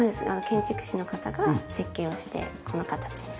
建築士の方が設計をしてこの形に。